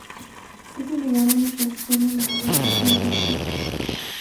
Es el lugar donde transcurre la mayor parte de la historia.